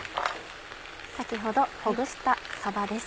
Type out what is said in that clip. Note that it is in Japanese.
先ほどほぐしたさばです。